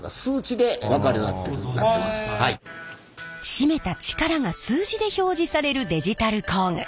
締めた力が数字で表示されるデジタル工具。